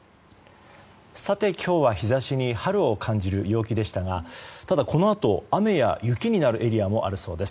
今日は日差しに春を感じる陽気でしたがこのあと雨や雪になるエリアもあるそうです。